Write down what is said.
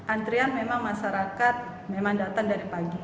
antrian memang masyarakat memang datang dari pagi